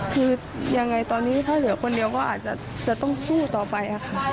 คือยังไงตอนนี้ถ้าเหลือคนเดียวก็อาจจะต้องสู้ต่อไปค่ะ